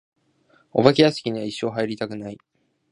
お化け屋敷には一生入りたくない。